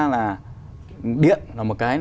là điện là một cái